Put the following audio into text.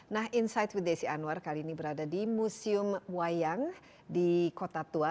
nah inside with desi anwar kali ini berada di museum wayang di kota tua